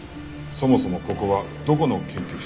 そもそもここはどこの研究室だ？